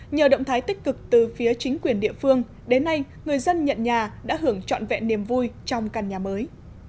nhờ động thái tích cực từ phía chính quyền địa phương đến nay người dân nhận nhà đã hưởng trọn vẹn niềm vui trong căn nhà mới